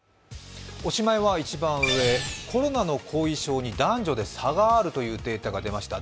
一番上、コロナの後遺症に男女で差があるというデータが出ました。